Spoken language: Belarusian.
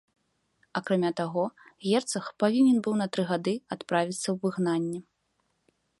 Акрамя таго, герцаг павінен быў на тры гады адправіцца ў выгнанне.